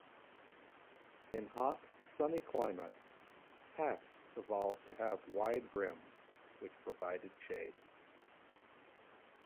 In hot, sunny climates hats evolved to have wide brims, which provided shade.